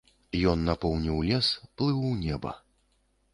Ён напоўніў лес, плыў у неба.